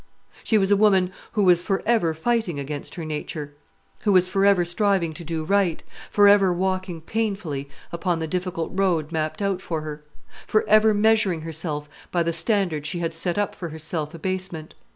She was a woman who was for ever fighting against her nature; who was for ever striving to do right; for ever walking painfully upon the difficult road mapped out for her; for ever measuring herself by the standard she had set up for her self abasement.